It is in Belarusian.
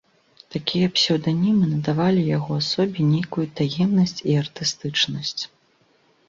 Такія псеўданімы надавалі яго асобе нейкую таемнасць і артыстычнасць.